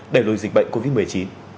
để lùi dịch bệnh covid một mươi chín